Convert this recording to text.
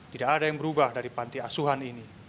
tidak ada yang berubah dari panti asuhan ini